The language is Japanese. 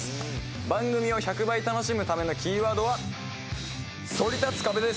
番組を１００倍楽しむためのキーワードは「そりたつ壁」です。